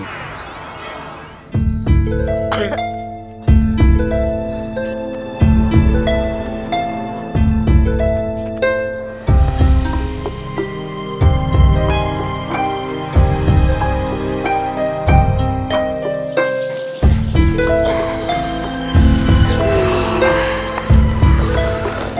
dia sedang melawasi